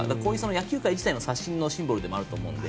野球界自体の刷新のシンボルでもあると思うので。